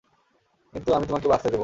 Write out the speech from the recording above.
কিন্তু আমি তোমাকে বাঁচতে দেবো।